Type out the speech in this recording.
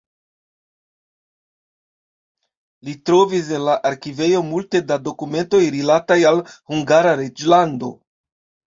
Li trovis en la arkivejo multe da dokumentoj rilataj al Hungara reĝlando.